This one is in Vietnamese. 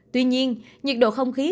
tuy nhiên nhiệt độ không khí